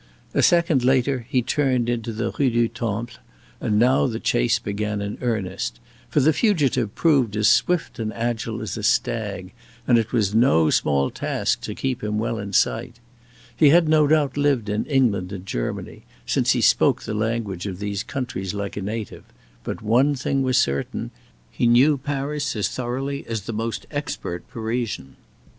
A second later he turned into the Rue du Temple, and now the chase began in earnest; for the fugitive proved as swift and agile as a stag, and it was no small task to keep him well in sight. He had no doubt lived in England and Germany, since he spoke the language of these countries like a native; but one thing was certain he knew Paris as thoroughly as the most expert Parisian.